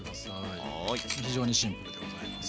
非常にシンプルでございます。